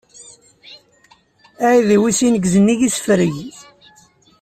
Aεidiw-is ineggez nnig isefreg.